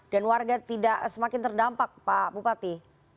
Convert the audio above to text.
dan warga tidak semakin terdampak pak bupati